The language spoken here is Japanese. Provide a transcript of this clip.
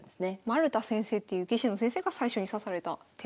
丸田先生っていう棋士の先生が最初に指された手なんですね。